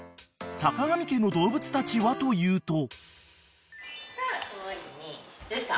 ［坂上家の動物たちはというと］